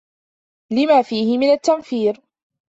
لِمَا فِيهِ مِنْ التَّنْفِيرِ